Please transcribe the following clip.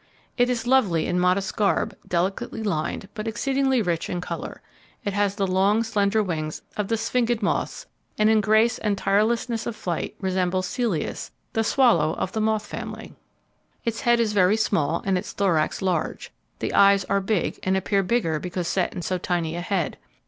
It is lovely in modest garb, delicately lined, but exceedingly rich in colour. It has the long slender wings of the Sphingid moths, and in grace and tirelessness of flight resembles Celeus, the swallow of the moth family. Its head is very small, and its thorax large. The eyes are big, and appear bigger because set in so tiny a head.